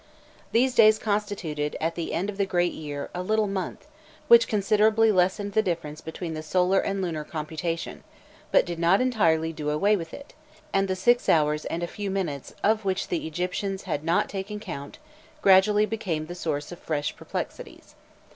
These days constituted, at the end of the "great year," a "little month," which considerably lessened the difference between the solar and lunar computation, but did not entirely do away with it, and the six hours and a few minutes of which the Egyptians had not taken count gradually became the source of fresh perplexities.